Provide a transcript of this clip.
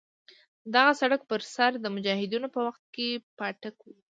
د دغه سړک پر سر د مجاهدینو په وخت کې پاټک وو.